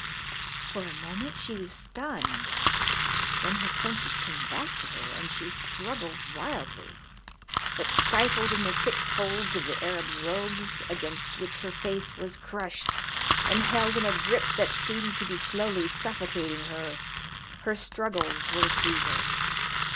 For a moment she was stunned, then her senses came back to her and she struggled wildly, but, stifled in the thick folds of the Arab's robes, against which her face was crushed, and held in a grip that seemed to be slowly suffocating her, her struggles were futile.